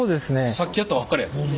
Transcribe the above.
さっきやったばっかりやもん。